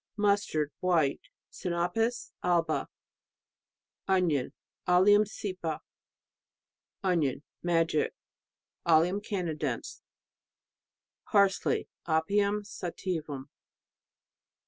Mustard, white .. Sinapis alba. Onion Allium cepa. Onion, magic ... Allium canadense. Parsley Apium sativum.